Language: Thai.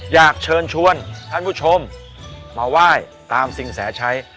อยากเชิญชวนท่านผู้ชมมาไหว้ตามสิ่งแสชัย